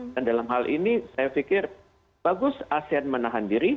dan dalam hal ini saya pikir bagus asean menahan diri